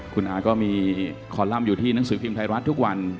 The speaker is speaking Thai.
คุณอาก็มีคอลัมป์อยู่ที่หนังสือพิมพ์ไทยรัฐทุกวัน